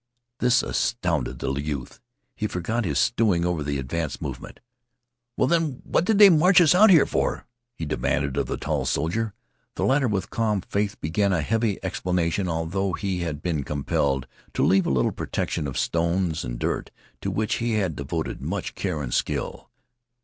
This astounded the youth. He forgot his stewing over the advance movement. "Well, then, what did they march us out here for?" he demanded of the tall soldier. The latter with calm faith began a heavy explanation, although he had been compelled to leave a little protection of stones and dirt to which he had devoted much care and skill.